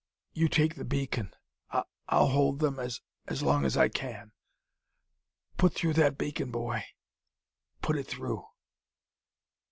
You take the beacon. I I'll hold them as as long as I can. Put through that beacon, boy! _Put it though!